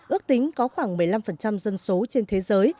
ước tính có khoảng một mươi năm dân số trên thế giới